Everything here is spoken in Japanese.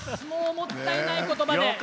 もったいないことばで。